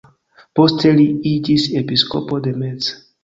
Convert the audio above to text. Poste li iĝis episkopo de Metz.